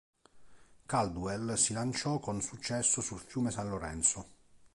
Caldwell si lanciò con successo sul fiume San Lorenzo.